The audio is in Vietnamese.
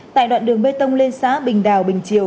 tại đoạn đường bê tông lên xã bình đào bình chiều